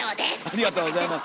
ありがとうございます。